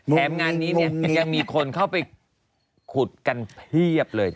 แถมงานนี้เนี่ยยังมีคนเข้าไปขุดกันเพียบเลย